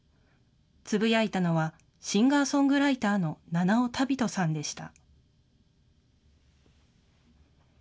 つぶやいたのは、シンガーソングライターの七尾旅人さんでした。